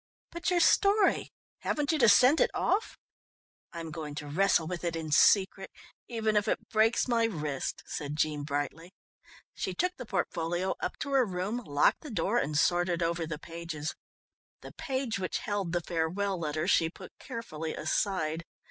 "But your story? Haven't you to send it off?" "I'm going to wrestle with it in secret, even if it breaks my wrist," said Jean brightly. She took the portfolio up to her room, locked the door and sorted over the pages. The page which held the farewell letter she put carefully aside.